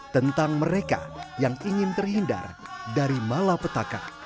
tentang mereka yang ingin terhindar dari malapetaka